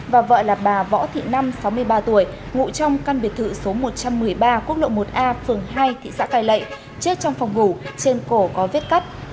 và vợ là bà võ thị năm sáu mươi ba tuổi ngụ trong căn biệt thự số một trăm một mươi ba quốc lộ một a phường hai thị xã cai lệ chết trong phòng ngủ trên cổ có vết cắt